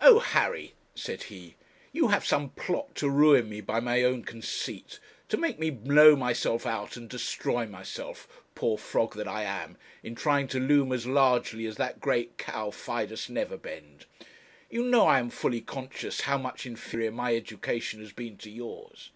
'Oh, Harry,' said he, 'you have some plot to ruin me by my own conceit; to make me blow myself out and destroy myself, poor frog that I am, in trying to loom as largely as that great cow, Fidus Neverbend. You know I am fully conscious how much inferior my education has been to yours.'